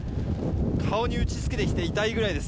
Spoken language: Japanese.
顔に打ち付けてきて痛いぐらいです。